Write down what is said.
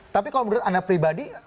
tapi kalau menurut anda pribadi